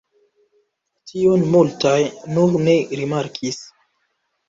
Tion multaj nur ne rimarkis.